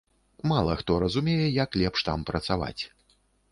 Мала хто разумее, як лепш там працаваць.